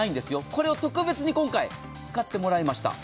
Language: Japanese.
これを特別に今回使ってもらいました。